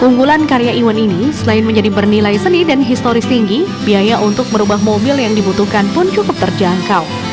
keunggulan karya iwan ini selain menjadi bernilai seni dan historis tinggi biaya untuk merubah mobil yang dibutuhkan pun cukup terjangkau